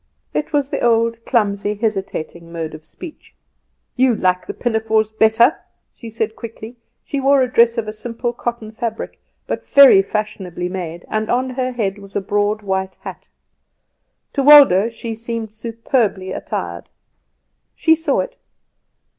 It was the old clumsy, hesitating mode of speech. "You like the pinafores better?" she said quickly. She wore a dress of a simple cotton fabric, but very fashionably made, and on her head was a broad white hat. To Waldo she seemed superbly attired. She saw it.